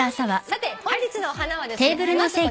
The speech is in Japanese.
さて本日のお花はですね